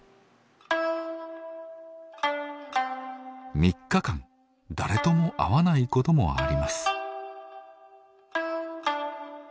３日間誰とも会わないこともあります。